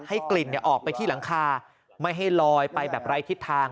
กลิ่นออกไปที่หลังคาไม่ให้ลอยไปแบบไร้ทิศทาง